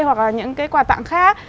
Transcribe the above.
hoặc là những cái quà tặng khác